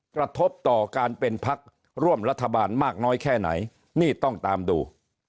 กระทบต่อการเป็นพักร่วมรัฐบาลมากน้อยแค่ไหนนี่ต้องตามดู